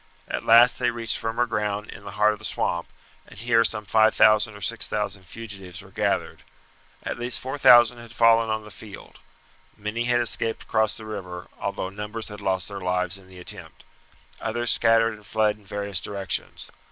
At last they reached firmer ground in the heart of the swamp, and here some 5000 or 6000 fugitives were gathered. At least 4000 had fallen on the field. Many had escaped across the river, although numbers had lost their lives in the attempt. Others scattered and fled in various directions.